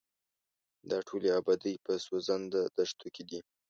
دا ټولې ابادۍ په سوځنده دښتو کې دي.